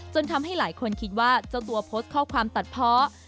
ทำให้หลายคนคิดว่าเจ้าตัวโพสต์ข้อความตัดเพาะ